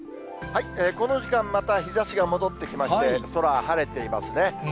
この時間、また日ざしが戻ってきまして、空、晴れていますね。